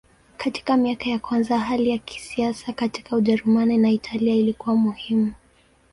Katika miaka ya kwanza hali ya kisiasa katika Ujerumani na Italia ilikuwa muhimu.